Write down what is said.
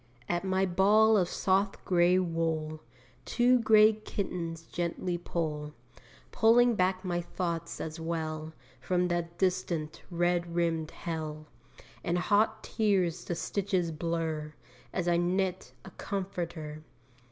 At my ball of soft grey wool Two grey kittens gently pull Pulling back my thoughts as well, From that distant, red rimmed hell, And hot tears the stitches blur As I knit a comforter.